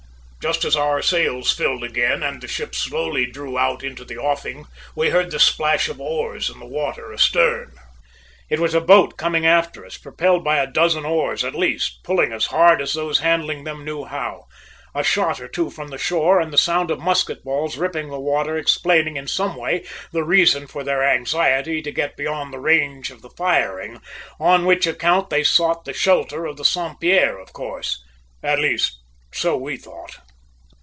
Just as our sails filled again and the ship slowly drew out into the offing, we heard the splash of oars in the water astern. It was a boat coming after us, propelled by a dozen oars at least, pulling as hard as those handling them knew how, a shot or two from the shore and the sound of musket balls ripping the water explaining, in some way, the reason for their anxiety to get beyond the range of the firing, on which account they sought the shelter of the Saint Pierre, of course at least, so we thought!